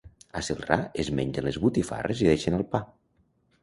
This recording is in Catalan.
A Celrà es mengen les botifarres i deixen el pa.